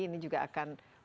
ini juga akan mau tidak mau